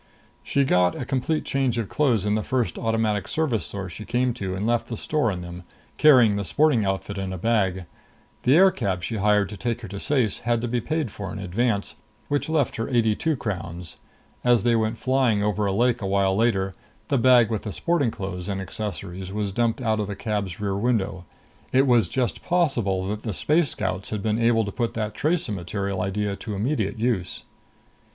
She got a complete change of clothes in the first Automatic Service store she came to and left the store in them, carrying the sporting outfit in a bag. The aircab she hired to take her to Ceyce had to be paid for in advance, which left her eighty two crowns. As they went flying over a lake a while later, the bag with the sporting clothes and accessories was dumped out of the cab's rear window. It was just possible that the Space Scouts had been able to put that tracer material idea to immediate use.